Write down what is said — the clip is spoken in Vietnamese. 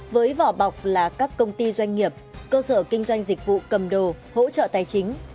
với vỏ bọc là các công ty doanh nghiệp cơ sở kinh doanh dịch vụ cầm đồ hỗ trợ tài chính